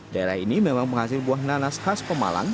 daerah ini memang penghasil buah nanas khas pemalang